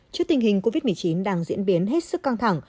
trước tình hình covid một mươi chín đang diễn biến hết sức căng thẳng